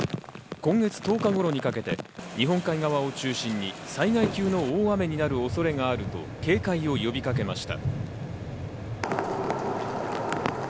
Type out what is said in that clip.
今月１０日頃まで日本海側を中心に災害級の大雨になると警戒を呼びかけました。